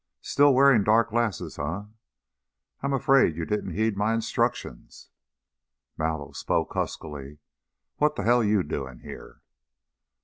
"Still wearing dark glasses, eh? I'm afraid you didn't heed my instructions." Mallow spoke huskily, "What the hell you doing here?"